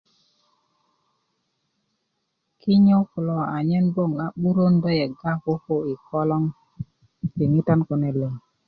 kinyo kulo anyen'gboŋ a 'burön do yegga koko yi koloŋ yi diŋitan kune liŋ